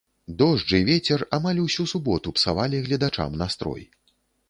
Дождж і вецер амаль усю суботу псавалі гледачам настрой.